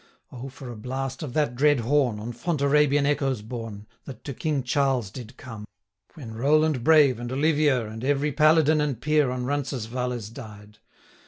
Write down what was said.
O, for a blast of that dread horn, On Fontarabian echoes borne, 1000 That to King Charles did come, When Rowland brave, and Olivier, And every paladin and peer, On Roncesvalles died!